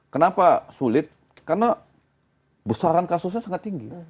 kenapa sulit karena besaran kasusnya sangat tinggi